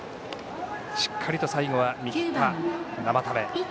しっかりと最後は見た生田目。